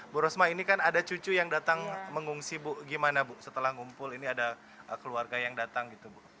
bu rosma ini kan ada cucu yang datang mengungsi bu gimana bu setelah ngumpul ini ada keluarga yang datang gitu bu